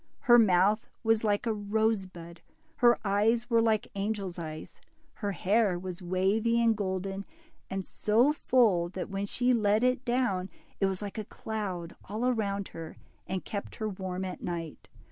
Her mouth was like a rose bud, her eyes were like angels' eyes, her hair was wavy and golden, and so full, that when she let it down it was like a cloud all around her, and kept her warm at night.